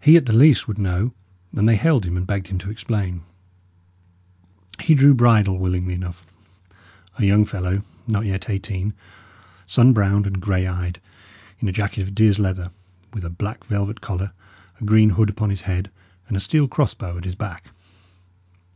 He, at the least, would know, and they hailed him and begged him to explain. He drew bridle willingly enough a young fellow not yet eighteen, sun browned and grey eyed, in a jacket of deer's leather, with a black velvet collar, a green hood upon his head, and a steel cross bow at his back.